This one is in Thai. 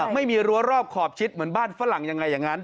ไม่มีรั้วรอบขอบชิดเหมือนบ้านฝรั่งยังไงอย่างนั้น